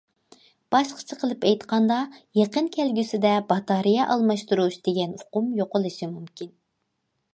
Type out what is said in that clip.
باشقىچە قىلىپ ئېيتقاندا يېقىن كەلگۈسىدە باتارېيە ئالماشتۇرۇش دېگەن ئۇقۇم يوقىلىشى مۇمكىن.